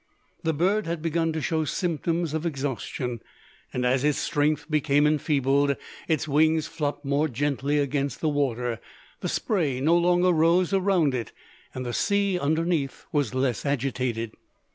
The bird had begun to show symptoms of exhaustion, and as its strength became enfeebled, its wings flopped more gently against the water, the spray no longer rose around it, and the sea underneath was less agitated.